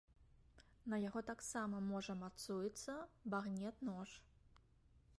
На яго таксама можа мацуецца багнет-нож.